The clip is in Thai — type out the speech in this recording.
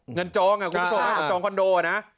เงินจองคอนโดนะ